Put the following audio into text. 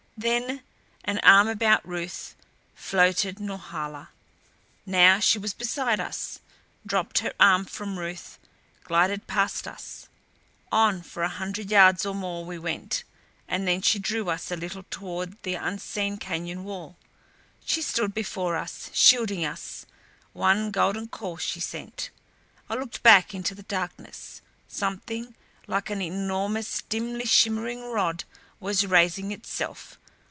Then, an arm about Ruth, floated Norhala. Now she was beside us; dropped her arm from Ruth; glided past us. On for a hundred yards or more we went, and then she drew us a little toward the unseen canyon wall. She stood before us, shielding us. One golden call she sent. I looked back into the darkness. Something like an enormous, dimly shimmering rod was raising itself.